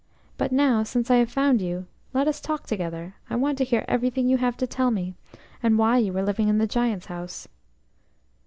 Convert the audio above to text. But now, since I have found you, let us talk together. I want to hear everything you have to tell me, and why you are living in the Giant's house."